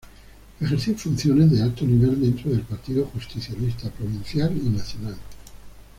Ejerció funciones de alto nivel dentro del Partido Justicialista provincial y nacional.